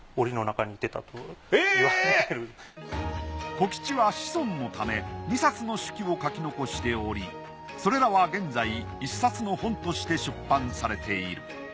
小吉は子孫のため２冊の手記を書き残しておりそれらは現在１冊の本として出版されている。